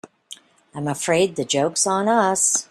I'm afraid the joke's on us.